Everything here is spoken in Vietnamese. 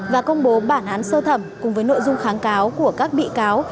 và công bố bản án sơ thẩm cùng với nội dung kháng cáo của các bị cáo